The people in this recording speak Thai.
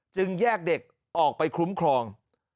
แยกเด็กออกไปคุ้มครอง